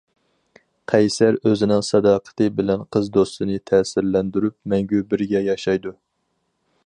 قەيسەر ئۆزىنىڭ ساداقىتى بىلەن قىز دوستىنى تەسىرلەندۈرۈپ مەڭگۈ بىرگە ياشايدۇ.